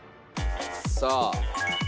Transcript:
さあ。